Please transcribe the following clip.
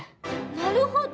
なるほど。